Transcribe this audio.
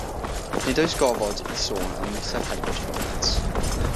Nid oes gofod i sôn am Mistar Herbert Roberts.